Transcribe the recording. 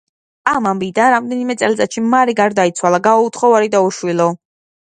ამ ამბიდან რამდენიმე წელიწადში მარი გარდაიცვალა, გაუთხოვარი და უშვილო.